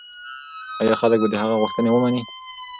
ایا خلک به د هغه غوښتنې ومني؟